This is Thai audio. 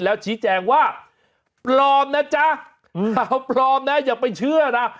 แล้วชี้แจงว่าปลอมนะจ๊ะอย่าไปเชื่อนะ